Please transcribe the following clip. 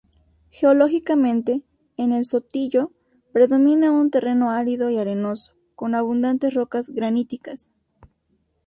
Geológicamente, en El Sotillo predomina un terreno árido y arenoso, con abundantes rocas graníticas.